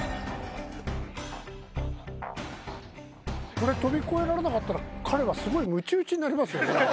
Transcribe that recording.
これ跳び越えられなかったら彼はすごいむち打ちになりますよね？